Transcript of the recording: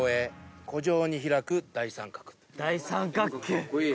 大三角形！